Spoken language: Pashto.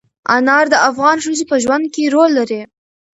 انار د افغان ښځو په ژوند کې رول لري.